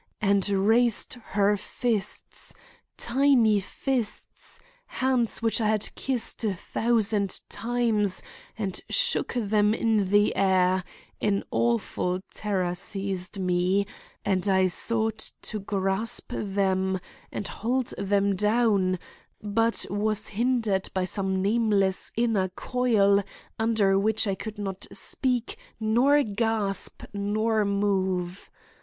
and raised her fists—tiny fists, hands which I had kissed a thousand times—and shook them in the air, an awful terror seized me, and I sought to grasp them and hold them down, but was hindered by some nameless inner recoil under which I could not speak, nor gasp, nor move.